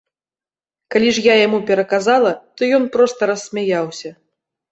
Калі ж я яму пераказала, то ён проста рассмяяўся.